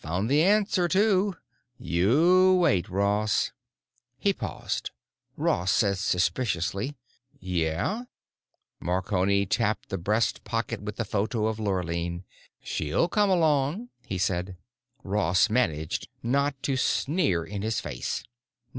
Found the answer, too. You wait, Ross." He paused. Ross said suspiciously, "Yeah?" Marconi tapped the breast pocket with the photo of Lurline. "She'll come along," he said. Ross managed not to sneer in his face.